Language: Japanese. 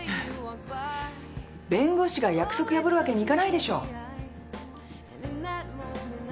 弁護士が約束破るわけにいかないでしょ。